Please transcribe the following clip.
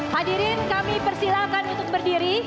hadirin kami persilahkan untuk berdiri